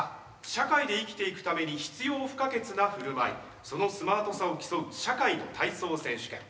社会で生きていくために必要不可欠な振る舞いそのスマートさを競う「社会の体操選手権」。